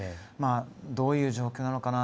どういう状況なのかな。